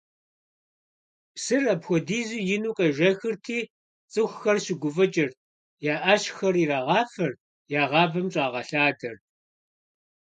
Псыр апхуэдизу ину къежэхырти, цӀыхухэр щыгуфӀыкӀырт: я Ӏэщхэр ирагъафэрт, я гъавэм щӀагъэлъадэрт.